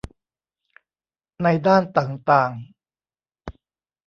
ในด้านต่างต่าง